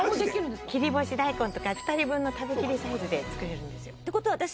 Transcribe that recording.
切り干し大根とか２人分の食べきりサイズで作れるんですよ。